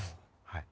はい。